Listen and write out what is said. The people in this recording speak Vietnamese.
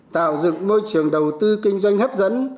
tạo dựng môi trường đầu tư kinh doanh hấp dẫn